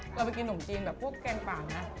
เราไปกินนมจีนแบบปุ้บแกนปังนะ